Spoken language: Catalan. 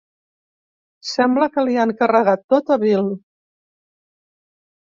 Sembla que l'hi han carregat tot a Bill!